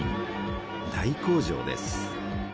大工場です。